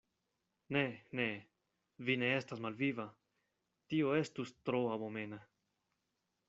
Ne, ne, vi ne estas malviva: tio estus tro abomena.